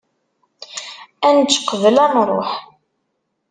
Ad nečč qbel ad nruḥ.